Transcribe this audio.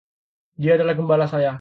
Dia adalah gembala saya.